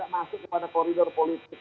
tapi kita masuk kepada koridor politik